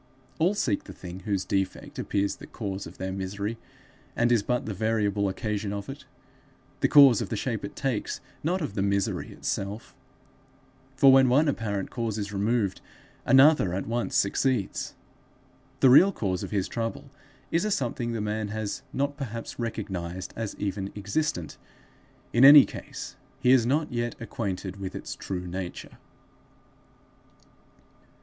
All seek the thing whose defect appears the cause of their misery, and is but the variable occasion of it, the cause of the shape it takes, not of the misery itself; for, when one apparent cause is removed, another at once succeeds. The real cause of his trouble is a something the man has not perhaps recognized as even existent; in any case he is not yet acquainted with its true nature.